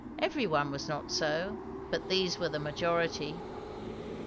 Every one was not so; but these were the majority.